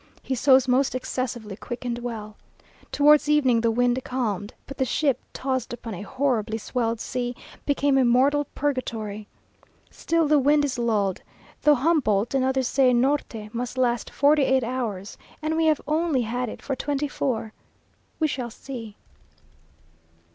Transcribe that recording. He sews most excessively quick and well. Towards evening the wind calmed, but the ship, tossed upon a horribly swelled sea, became a mortal purgatory. Still the wind is lulled, though Humboldt and others say a Norte must last forty eight hours, and we have only had it for twenty four. We shall see.